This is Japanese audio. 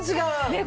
ねっ。